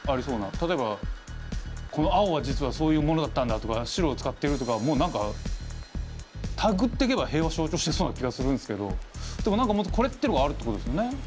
例えばこの青は実はそういうものだったんだとか白を使ってるとかもう何か手繰ってけば平和象徴してそうな気がするんすけどでも何かもっとこれってのがあるってことですよね？